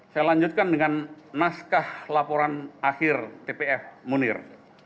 saya lanjutkan dengan naskah laporan akhir tpf munir